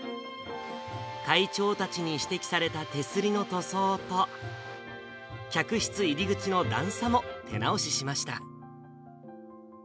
会長たちに指摘された手すりの塗装と、客室入り口の段差も手直ししました。